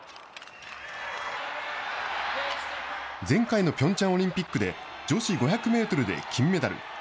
前回のピョンチャンオリンピックで女子５００メートルで金メダル。